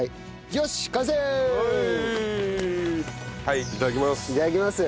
はいいただきます。